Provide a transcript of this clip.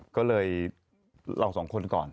ก็รึยอยู่กับพวิบัติ